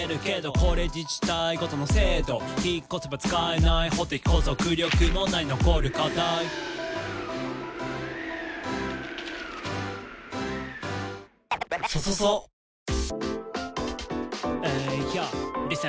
「これ自治体ごとの制度」「引っ越せば使えない法的拘束力もない残る課題」「ＹＯリーさん